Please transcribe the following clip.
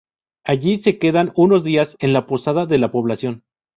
Allí, se quedan unos días en la posada de la población.